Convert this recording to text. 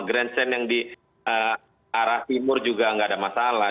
grandstand yang di arah timur juga nggak ada masalah